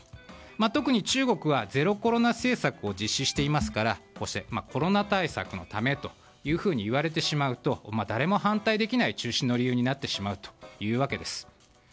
特に中国はゼロコロナ政策を実施していますからこうしてコロナ対策のためといわれてしまうと誰も反対できない中止の理由になってしまうというわけです。